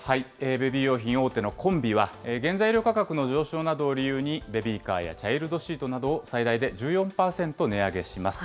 ベビー用品大手のコンビは、原材料価格の上昇などを理由に、ベビーカーやチャイルドシートなどを最大で１４％値上げします。